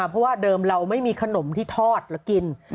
เพราะว่าเดิมเราไม่มีขนมที่ทอดแล้วกิน